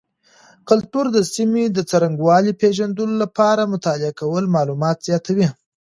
کلتور د سیمې د څرنګوالي پیژندلو لپاره مطالعه کول معلومات زیاتوي.